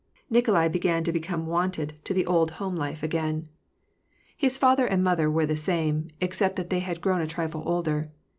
— Nikolai began to become wonted to the old 246 Vi^AR AND PEACE. home life again. His father and mother were the same, ex cept that they had grown a trifle older.